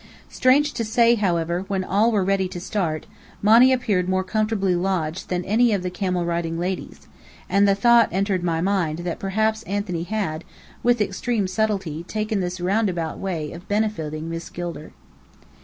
Strange to say, however, when all were ready to start, Monny appeared more comfortably lodged than any of the camel riding ladies; and the thought entered my mind that perhaps Anthony had, with extreme subtlety, taken this roundabout way of benefitting Miss Gilder.